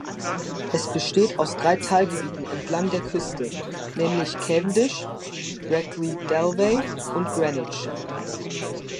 Es besteht aus drei Teilgebieten entlang der Küste, nämlich Cavendish, Brackley-Dalvay und Greenwich.